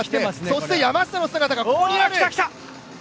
そして山下の姿がここにある！